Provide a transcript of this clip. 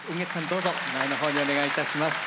どうぞ前の方にお願いいたします。